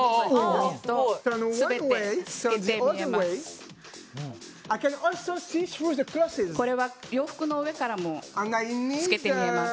全て透けて見えます。